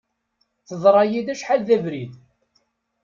Teḍra-yi-d acḥal d abrid.